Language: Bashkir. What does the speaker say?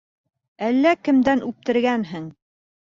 Әллә кемдән уптергәнһең